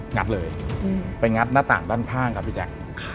งัดเลยไปงัดหน้าต่างด้านข้างครับพี่แจ๊ค